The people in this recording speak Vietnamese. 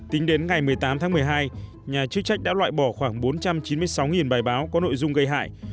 tính đến ngày một mươi tám tháng một mươi hai nhà chức trách đã loại bỏ khoảng bốn trăm chín mươi sáu bài báo có nội dung gây hại